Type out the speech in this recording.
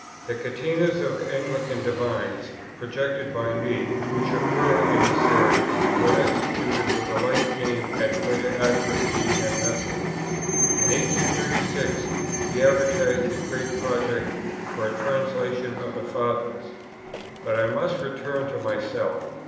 The Catenas of Anglican divines, projected by me, which occur in the Series were executed with a like aim at greater accuracy and method. In 1836 he advertised his great project for a Translation of the Fathers: but I must return to myself.